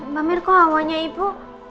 mbak mir kok awalnya ibu